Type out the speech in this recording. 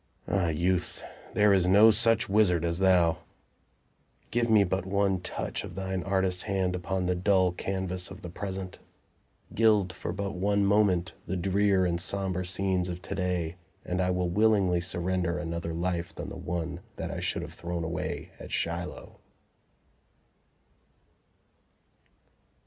Ah, Youth, there is no such wizard as thou! Give me but one touch of thine artist hand upon the dull canvas of the Present; gild for but one moment the drear and somber scenes of to day, and I will willingly surrender an other life than the one that I should have thrown away at Shiloh.